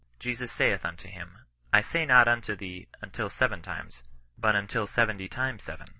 Jesus saith unto him, I say not unto thee, until seven times, but until seventy times seven."